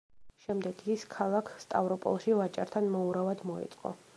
შემდეგ ის ქალაქ სტავროპოლში, ვაჭართან მოურავად მოეწყო.